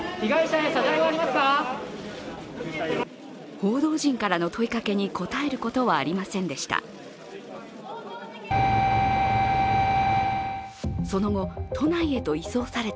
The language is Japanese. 報道陣からの問いかけに答えることはありませんでした。